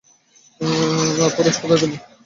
Porous, কোথায় তুমি?